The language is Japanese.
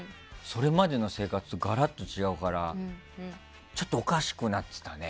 それまでの生活とガラッと違うからちょっとおかしくなってたね。